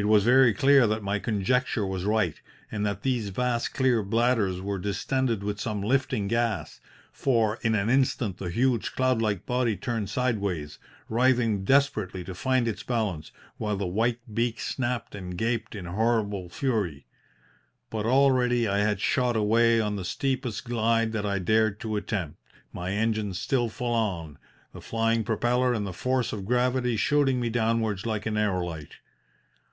It was very clear that my conjecture was right, and that these vast clear bladders were distended with some lifting gas, for in an instant the huge cloud like body turned sideways, writhing desperately to find its balance, while the white beak snapped and gaped in horrible fury. But already I had shot away on the steepest glide that I dared to attempt, my engine still full on, the flying propeller and the force of gravity shooting me downwards like an aerolite.